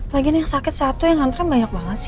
lagian yang sakit satu yang antarin banyak banget sih